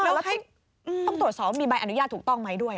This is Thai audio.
แล้วต้องตรวจสอบว่ามีใบอนุญาตถูกต้องไหมด้วย